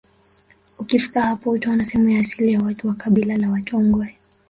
Ukifika hapo utaona sehemu ya asili ya watu wa kabila la Watongwe